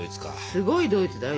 すごいドイツだよ